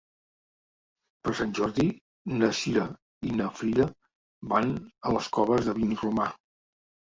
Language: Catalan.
Per Sant Jordi na Cira i na Frida van a les Coves de Vinromà.